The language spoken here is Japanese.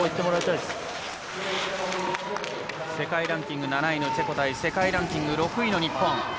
世界ランキング７位のチェコ対世界ランキング６位の日本。